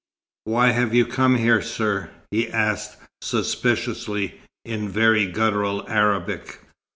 Why have you come here, sir?" he asked suspiciously, in very guttural Arabic.